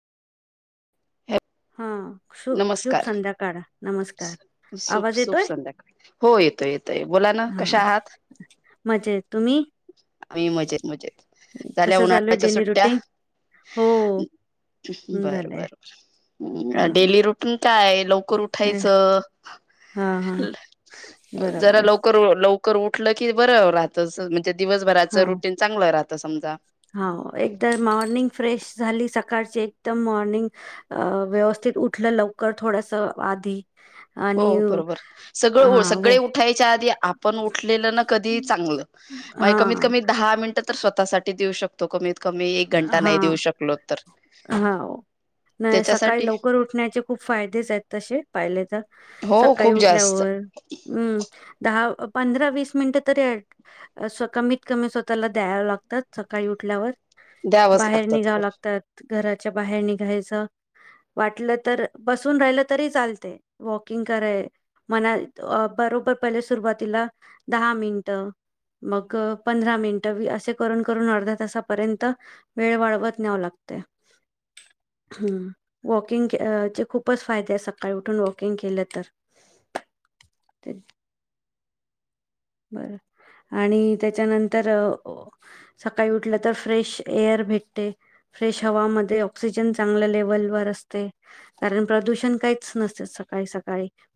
ह हा शु शुभ संध्याकाळ नमस्कार सुप आवाज सुप येतोय संध्याकाळी हो येतोय येतोय बोला ना हा कशा आहात मजेत तुम्ही आही मजेत मजेत झाल्या कसं चालू आहे उन्हाळ्याच्या डेली सुट्ट्या रुटीन हो बर झालंय हा बरर डेली रुटून काय लोक उठाच हे- हा हा जरा बरोबर लवकर ल उठलं की बरं राहत दिवसभराच रुटीन चांगलं रातात आ समजा हो एकदर मॉर्निंग फ्रेश झाली सकाळची एकदम मॉर्निंग व्यवस्थित उठलं लवकर थोडस आधी हो आणि बरोबर सगळं हो सगळे उठायच्या आधी आपण उठलेलं ना कधी चांगलं कमीत हा कमी दहा मिनिट तर स्वतःसाठी देऊ शकतो कमी एक घंटा नाही देऊ हा शकलो तर हा नाही सकाळी त्याच्यासाठी लवकर उठण्याचे खूप फायदेच आहेत तसे पाहिले तर हो सकाळी खूप जास्त उठल्यावरम् द पंधरा वीस मिनिटं तरी कमीत कमी स्वतःला द्याव लागतात सकाळी उठल्यावर द्यावंच बाहेर लागतात निघावं लागतात घरात बाहेर निघायच वाटलं तर बसून राहिलं तरी चालते वॉकिंग कय म बरोबर पहिले सुरुवातीला दहा मिनट मग पंधरा मिनट असे करून करून अर्ध तासापर्यंत वेळ वाढवत न्याव लागत वॉकंगचे खूपच फायदे सकाळी उठून वॉकिंग केलं तर बर आणि त्याच्यानंतर सकाळी उठलं तर फ्रेश एअर भेटते फ्रेश हवामध्ये ऑक्सिजन चांगल्या लेवलवर असते कारण प्रदूषण काहीच नसते सकाळी सकाळी